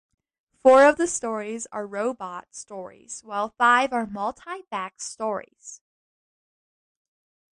Four of the stories are robot stories, while five are Multivac stories.